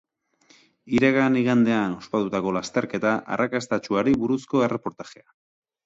Iragan igandean ospatutako lasterketa arrakastatsuari buruzko erreportajea.